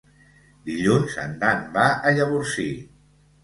Dilluns en Dan va a Llavorsí.